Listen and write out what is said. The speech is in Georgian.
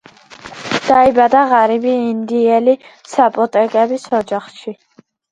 დაიბადა ღარიბი ინდიელი საპოტეკების ოჯახში.